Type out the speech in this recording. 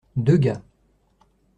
Deux gars.